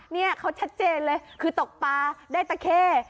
นี่เขาชัดเจนเลยคือตกปลาได้ตะเข้